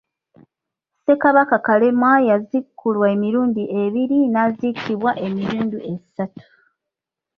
Ssekabaka Kalema yaziikulwa emirundi ebiri, n’aziikibwa emirundi esatu.